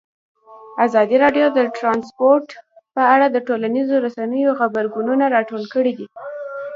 ازادي راډیو د ترانسپورټ په اړه د ټولنیزو رسنیو غبرګونونه راټول کړي.